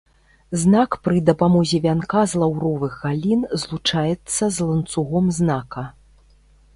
Знак пры дапамозе вянка з лаўровых галін злучаецца з ланцугом знака.